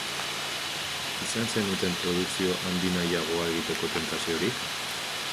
Izan zenuten produkzio handinahiagoa egiteko tentaziorik?